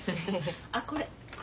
あっこれ。